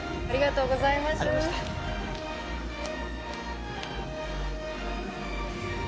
ありがとうございます。